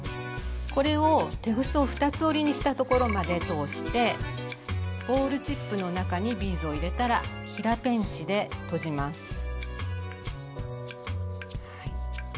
これをテグスを二つ折りにしたところまで通してボールチップの中にビーズを入れたら平ペンチでとじます。